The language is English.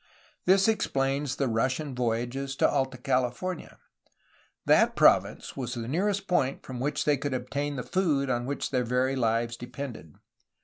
This explains the Russian voyages to Alta California. That province was the nearest point from which they could ob tain the food on which their very lives depended.